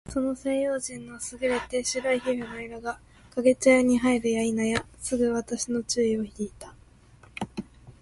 その西洋人の優れて白い皮膚の色が、掛茶屋へ入るや否いなや、すぐ私の注意を惹（ひ）いた。